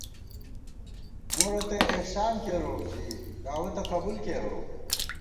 مو رتئ احسان کېروؤ، زِی دعوَتہ قبُول کېروؤ